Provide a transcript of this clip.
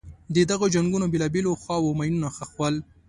د دغو جنګونو بېلابېلو خواوو ماینونه ښخول.